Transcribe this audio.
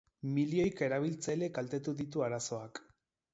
Milioika erabiltzaile kaltetu ditu arazoak.